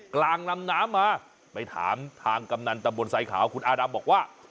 กลางลำน้ำมาไปถามทางกำนันตะบนสายขาวคุณอาดำบอกว่า